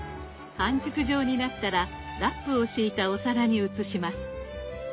半熟状になったらラップを敷いたお皿に移します。